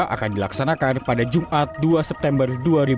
akan dilaksanakan pada jumat dua september dua ribu dua puluh